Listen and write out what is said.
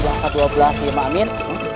dapat dua belas ya mamin